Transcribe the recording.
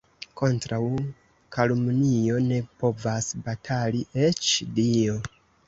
Kontraŭ kalumnio ne povas batali eĉ Dio.